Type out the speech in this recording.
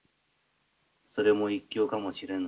それも一興かもしれぬのう。